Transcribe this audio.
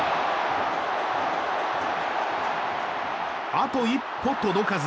あと一歩届かず。